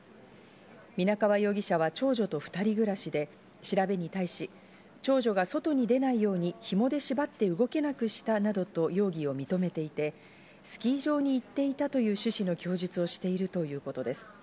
皆川容疑者は長女と２人暮らしで、調べに対し、長女が外に出ないように紐で縛って動けなくしたなどと容疑を認めていて、スキー場に行っていたという趣旨の供述をしているということです。